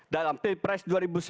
dalam pilpres dua ribu sembilan belas